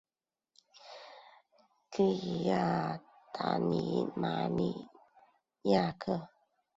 利阿达尔马尼亚克。